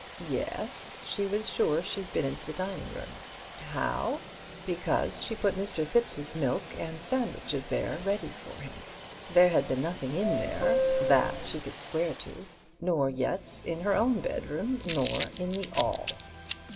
Yes, she was sure she'd been into the dining room. How? Because she put Mr. Thipps's milk and sandwiches there ready for him. There had been nothing in there,—that she could swear to. Nor yet in her own bedroom, nor in the 'all.